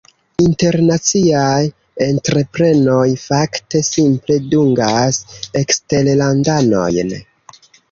internaciaj entreprenoj- fakte simple dungas eksterlandanojn.